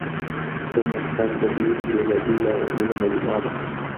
پرمختګ د ډېرو بيلا بيلو عواملو مجموعه ده.